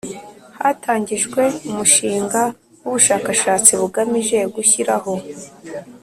Hatangijwe umushinga w ubushakashatsi bugamije gushyiraho